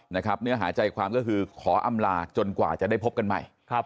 เนื้อหาใจความก็คือขออำลาจนกว่าจะได้พบกันใหม่